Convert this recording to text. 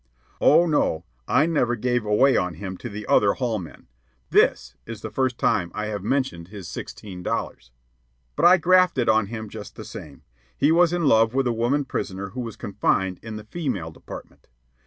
Oh, no, I never gave away on him to the other hall men. This is the first time I have mentioned his sixteen dollars. But I grafted on him just the same. He was in love with a woman prisoner who was confined in the "female department."